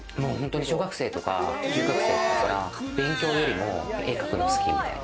小学生とか中学生とかから勉強よりも絵描くのが好きみたいな。